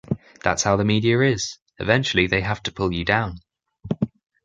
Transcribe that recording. That's how the media is: eventually they have to pull you down.